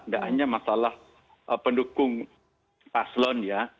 tidak hanya masalah pendukung pak selon ya